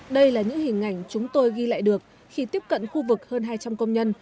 đây là những hình ảnh chúng tôi ghi lại được khi tiếp cận khu vực hơn hai trăm linh công nhân